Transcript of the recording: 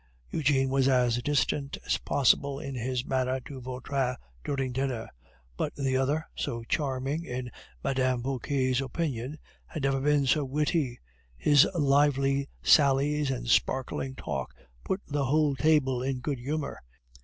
Eugene was as distant as possible in his manner to Vautrin during dinner; but the other, so charming in Mme. Vauquer's opinion, had never been so witty. His lively sallies and sparkling talk put the whole table in good humor.